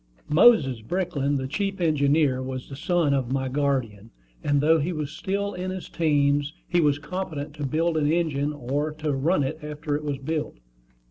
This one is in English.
Moses Brickland, the chief engineer, was the son of my guardian; and though he was still in his teens, he was competent to build an engine, or to run it after it was built.